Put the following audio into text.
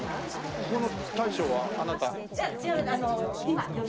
ここの大将はあなた？